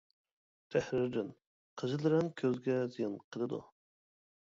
تەھرىردىن: قىزىل رەڭ كۆزگە زىيان قىلىدۇ.